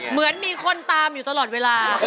เหมือนมีคนตามอยู่ตลอดเวลา